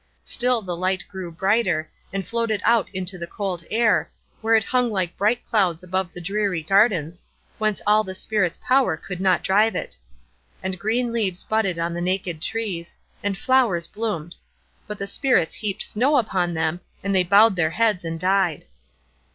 Still the light grew brighter, and floated out into the cold air, where it hung like bright clouds above the dreary gardens, whence all the Spirits' power could not drive it; and green leaves budded on the naked trees, and flowers bloomed; but the Spirits heaped snow upon them, and they bowed their heads and died.